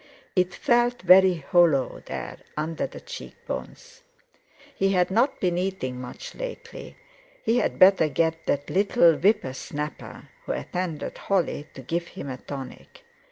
It felt very hollow there under the cheekbones. He had not been eating much lately—he had better get that little whippersnapper who attended Holly to give him a tonic.